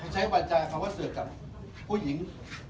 ใช้วาจาเขาว่าเสือกกับผู้หญิง